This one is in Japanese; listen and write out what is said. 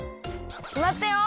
きまったよ！